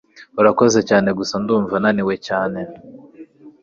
urakoze cyane gusa ndumva naniwe cyane